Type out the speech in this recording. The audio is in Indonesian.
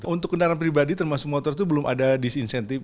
untuk kendaraan pribadi termasuk motor itu belum ada disinsentif